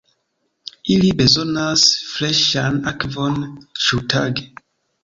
Ili bezonas freŝan akvon ĉiutage.